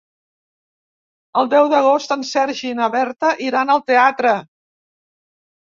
El deu d'agost en Sergi i na Berta iran al teatre.